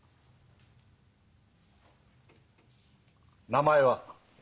名前は？